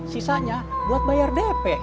sisanya buat bayar dp